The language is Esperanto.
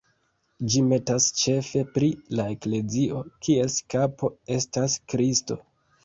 Ĝi temas ĉefe pri la eklezio, kies kapo estas Kristo.